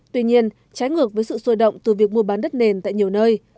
tuy nhiên trái ngược với sự sôi động từ việc mua bán đất nền tại nhiều nơi